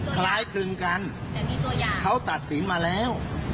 คล้ายคลึงกันเขาตัดสินมาแล้ว